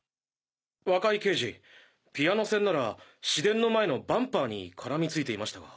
若井刑事ピアノ線なら市電の前のバンパーに絡みついていましたが。